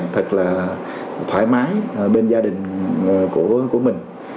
thật là thoải mái bên gia đình của người